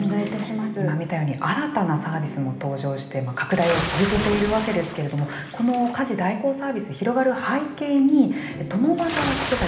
今見たように新たなサービスが登場して拡大を続けているわけですけれどもこの家事代行サービス広がる背景に共働き世帯